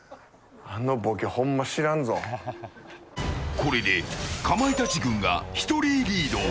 これでかまいたち軍が１人リード。